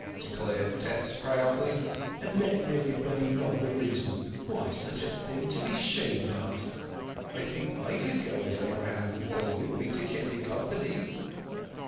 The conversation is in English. declared Tess proudly. "And letting everybody know the reason—such a thing to be ashamed of! I think I could go if Abraham could go with me to kip me company."